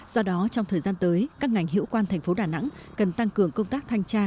do đó trong thời gian tới các ngành hiệu quan thành phố đà nẵng cần tăng cường công tác thanh tra